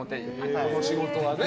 この仕事はね。